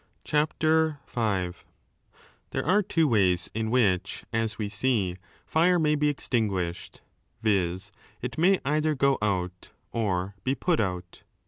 CHAPTER V. There are two ways in which, as we see, fire may be extinguished, viz. it may either go out or be put out.